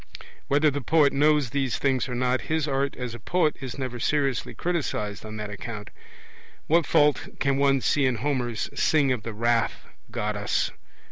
Whether the poet knows these things or not, his art as a poet is never seriously criticized on that account. What fault can one see in Homer's 'Sing of the wrath, Goddess'?